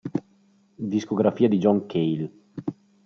Discografia di John Cale